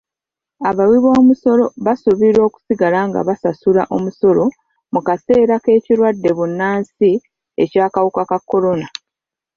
Abawibomusolo basuubirwa okusigala nga basasula omusolo mu kaseera k'ekirwadde bbunansi eky'akawuka ka kolona.